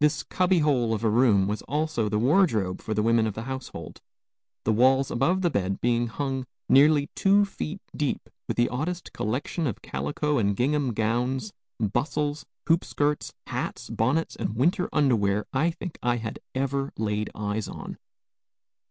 This cubby hole of a room was also the wardrobe for the women of the household, the walls above the bed being hung nearly two feet deep with the oddest collection of calico and gingham gowns, bustles, hoopskirts, hats, bonnets, and winter underwear I think I had ever laid eyes on.